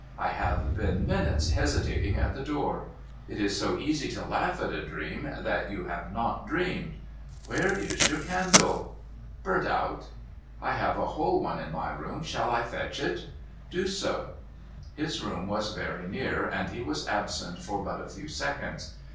I have been minutes hesitating at the door. It is so easy to laugh at a dream that you have not dreamed. Where is your oindle ?' MR. OBENREIZER HAS A BAD DREAM 543 ' Burnt out.' ' I have a whole one in my room. Shall I fetch it ?'' Do so.' His room was very near, and he was absent for but a few seconds.